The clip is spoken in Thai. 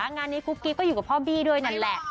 งานนี้กุ๊กกิ๊กก็อยู่กับพ่อบี้ด้วยนั่นแหละ